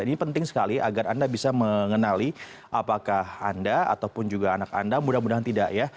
ini penting sekali agar anda bisa mengenali apakah anda ataupun juga anak anda mudah mudahan tidak ya